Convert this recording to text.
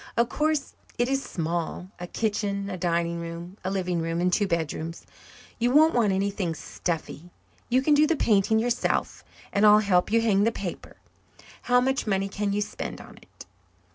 Of course it is small a kitchen, a dining room, a living room, and two bedrooms. You won't want anything stuffy. You can do the painting yourself, and I'll help you hang the paper. How much money can you spend on it?"